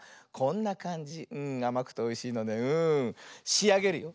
しあげるよ。